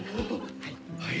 はい。